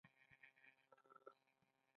د مغزونو تېښته جبران نه لري.